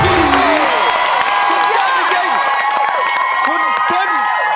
คุณซึ้น